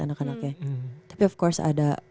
anak anaknya tapi of course ada